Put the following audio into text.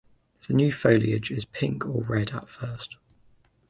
The new foliage is pink or red at first.